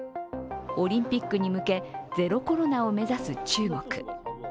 オリンピックに向け、ゼロコロナを目指す中国。